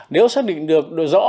nếu xác định được rõ